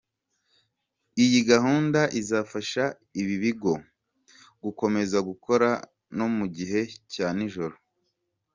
Iyi gahunda izafasha ibi bigo gukomeza gukora no mu gihe cya nijoro.